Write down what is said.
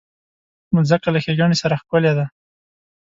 مځکه له ښېګڼې سره ښکلې ده.